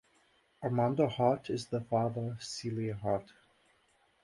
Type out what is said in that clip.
Armando Hart is the father of Celia Hart.